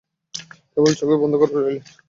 কেবল চোখই বন্ধ করে রইলেন।